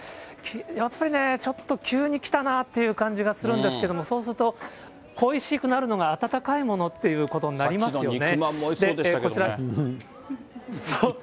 やっぱりね、ちょっと急に来たなっていう感じがするんですけれども、そうすると、恋しくなるのが温かいものということになりますよね。